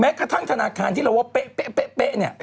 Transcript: แม้กระทั่งธนาคารที่เราว่าเป๊ะ